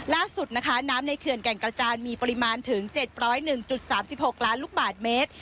ล่าสุดนะคะน้ำในเขื่อนแก่งกระจานมีปริมาณถึง๗๐๑๓๖ล้านลูกบาทเมตร